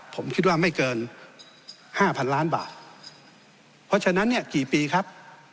ผมคิดว่าไม่เกินห้าพันล้านบาทเพราะฉะนั้นเนี่ยกี่ปีครับ